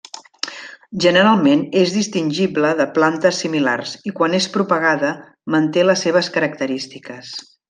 Generalment és distingible de plantes similars i quan és propagada manté les seves característiques.